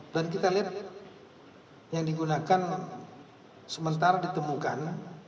dan kita lihat yang digunakan sementara ditemukan